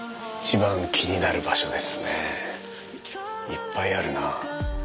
いっぱいあるなぁ。